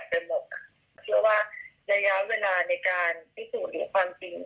เพราะว่ายายาเวลาในการพิสูจน์ความจริง